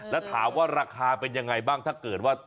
แล้วถามว่าราคาเป็นยังไงบ้างถ้าเกิดว่า